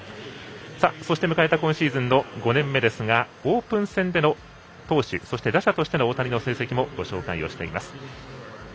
そして、迎えた今シーズンの５年目ですがオープン戦での投手そして打者としての大谷の成績です。